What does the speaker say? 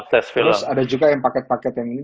terus ada juga yang paket paket yang ini